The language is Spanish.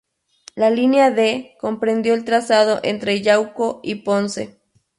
La Línea D comprendió el trazado entre Yauco y Ponce.